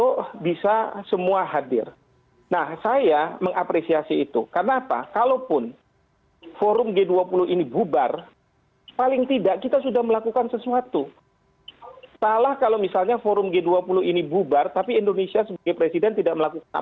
kita harus menjaga jarak